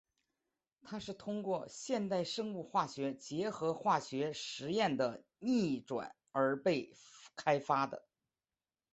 它是通过现代生物化学结合化学实验的逆转而被开发的。